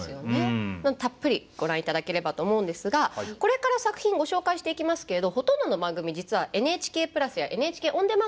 たっぷりご覧いただければと思うんですがこれから作品ご紹介していきますけれどほとんどの番組実はＮＨＫプラスやＮＨＫオンデマンドで見ることができます。